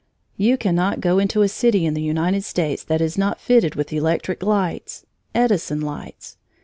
You cannot go into a city in the United States that is not fitted with electric lights Edison lights.